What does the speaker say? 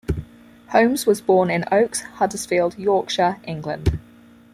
Holmes was born in Oakes, Huddersfield, Yorkshire, England.